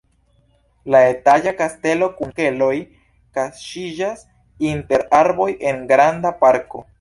La etaĝa kastelo kun keloj kaŝiĝas inter arboj en granda parko.